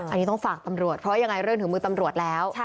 อันนี้ต้องฝากตำรวจเพราะยังไงเรื่องถึงมือตำรวจแล้ว